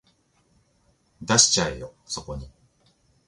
出しちゃえよそこに